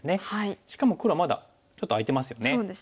しかも黒はまだちょっと空いてますよね。